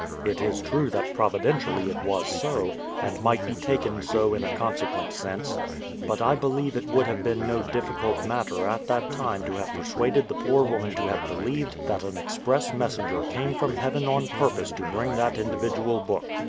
It is true that providentially it was so, and might be taken so in a consequent sense; but I believe it would have been no difficult matter at that time to have persuaded the poor woman to have believed that an express messenger came from heaven on purpose to bring that individual book.